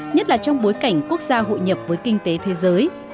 nhất là trong bối cảnh quốc gia hội nhập với kinh tế thế giới